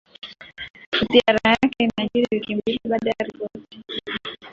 Ziara yake inajiri wiki mbili baada ya ripoti